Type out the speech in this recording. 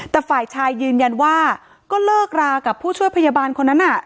แต่ฝ่ายชายยืนยันว่าก็เลิกรากับผู้ช่วยพยาบาลคนนั้นน่ะ